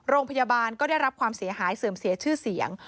โรงพยาบาลก็ได้รับความเสียหายเสื่อมเสียชื่อเสียง